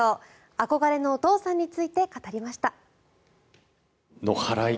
憧れのお父さんについて語りました。